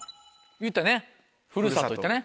言ったね「ふるさと」言ったね。